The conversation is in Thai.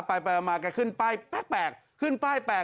ไปมาไปขึ้นป้ายแปลก